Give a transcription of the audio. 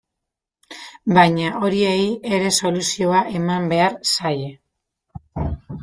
Baina horiei ere soluzioa eman behar zaie.